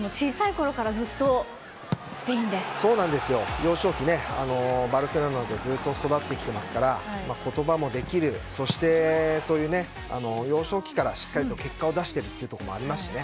幼少期、バルセロナでずっと育ってきてますから言葉もできるそして、幼少期からしっかりと結果を出しているというところもありますしね。